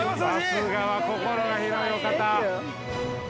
◆さすがは、心が広いお方。